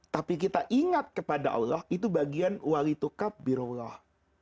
tapi kita ingat kepada allah itu bagian walitukab birullah